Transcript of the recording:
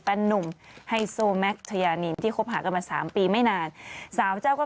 แบรนด์หนุ่มไฮโซแม็กซ์โทยานีที่คบหากันมา๓ปีไม่นานสาวเจ้าก็